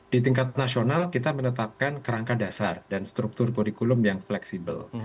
di tingkat nasional kita menetapkan kerangka dasar dan struktur kurikulum yang fleksibel